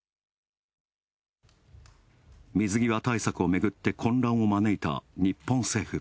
水際対策をめぐって混乱を招いた日本政府。